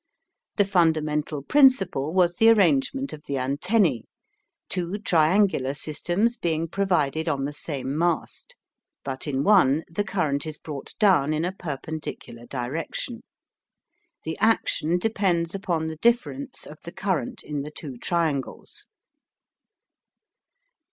The fundamental principle was the arrangement of the antennae, two triangular systems being provided on the same mast, but in one the current is brought down in a perpendicular direction. The action depends upon the difference of the current in the two triangles.